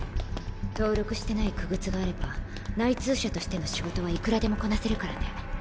登録してない傀儡があれば内通者としての仕事はいくらでもこなせるからね。